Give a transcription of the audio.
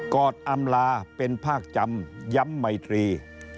อดอำลาเป็นภาคจำย้ำไมตรี